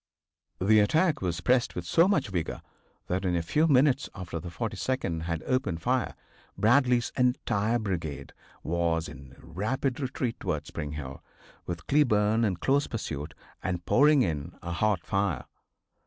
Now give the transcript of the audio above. The attack was pressed with so much vigor that in a few minutes after the 42d had opened fire Bradley's entire brigade was in rapid retreat towards Spring Hill, with Cleburne in close pursuit, and pouring in a hot fire.